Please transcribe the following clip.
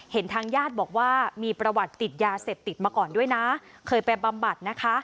ทางญาติบอกว่ามีประวัติติดยาเสพติดมาก่อนด้วยนะเคยไปบำบัดนะคะ